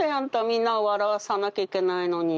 みんなを笑わさなきゃいけないのに。